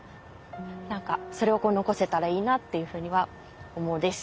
それを残せたらいいなっていうふうには思うです。